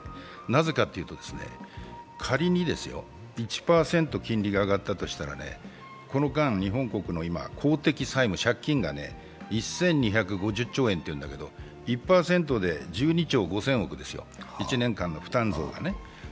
なぜかというと仮に１％金利が上がったとしたら、この間、日本国の公的債務、借金が１２５０兆円というんだけど、１％で１２兆５０００億ですよ、１年間の負担額がね。